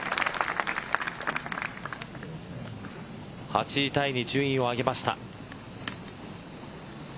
８位タイに順位を上げました。